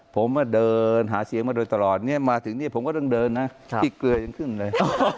ผมมาเดินหาเสียงมาโดยตลอดเนี่ยมาถึงนี่ผมก็ต้องเดินนะที่เกลือยังขึ้นเลย